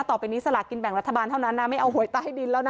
ต่อไปนี้สลากินแบ่งรัฐบาลเท่านั้นนะไม่เอาหวยใต้ดินแล้วนะ